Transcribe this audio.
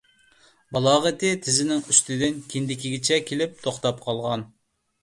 بالاغىتى تىزىنىڭ ئۈستىدىن كىندىكىگىچە كېلىپ توختاپ قالغان.